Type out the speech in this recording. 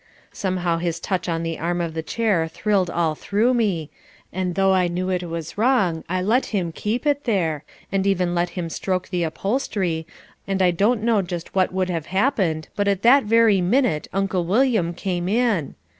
Somehow his touch on the arm of the chair thrilled all through me and though I knew that it was wrong I let him keep it there and even let him stroke the upholstery and I don't know just what would have happened but at that very minute Uncle William came in.